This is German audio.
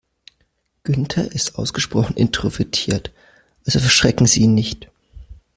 Günther ist ausgesprochen introvertiert, also verschrecken Sie ihn nicht.